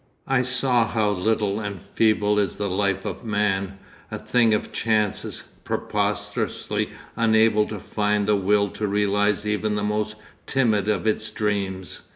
I saw how little and feeble is the life of man, a thing of chances, preposterously unable to find the will to realise even the most timid of its dreams.